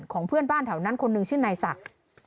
ของเพื่อนบ้านแถวนั้นคนหนึ่งชื่อนายศักดิ์